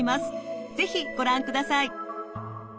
是非ご覧ください。